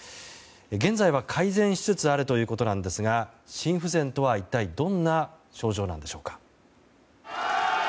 現在は改善しつつあるということなんですが心不全とは一体どんな症状なんでしょうか。